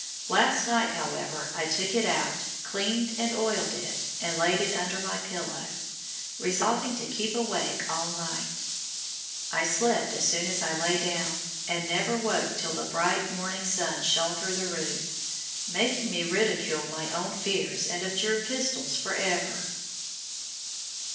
Last night, however, I took it out, cleaned and oiled it, and laid it under my pillow, resolving to keep awake all night. I slept as soon as I lay down, and never woke till the bright morning sun shone through the roof, making me ridicule my own fears and abjure pistols for ever.